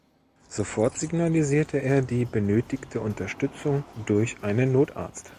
Sofort signalisierte er die benötigte Unterstützung durch einen Notarzt.